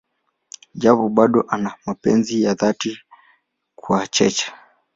Japo bado ana mapenzi ya dhati kwa Cheche.